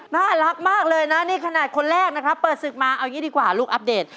น่ารักมากเลยนะนี่ขนาดคนแรกนะครับเปิดศึกมาเอาอย่างนี้ดีกว่าลูกอัปเดต